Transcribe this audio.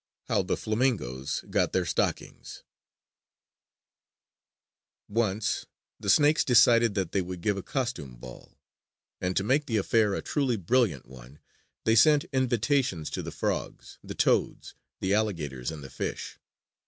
HOW THE FLAMINGOES GOT THEIR STOCKINGS Once the snakes decided that they would give a costume ball; and to make the affair a truly brilliant one they sent invitations to the frogs, the toads, the alligators and the fish.